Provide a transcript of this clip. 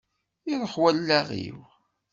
Iṛuḥ wallaɣ-iw.